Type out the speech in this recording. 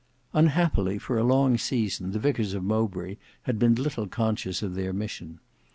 Unhappily for a long season the vicars of Mowbray had been little conscious of their mission.